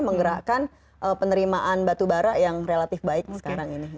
menggerakkan penerimaan batu bara yang relatif baik sekarang ini